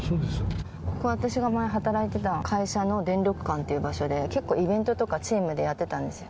ここ、私が前働いてた会社の電力館という場所で、結構、イベントとかチームでやってたんですよ。